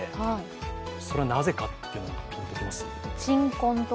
それはなぜかというのは分かります？